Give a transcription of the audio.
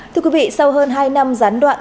thưa quý vị sau hơn hai năm gián đoạn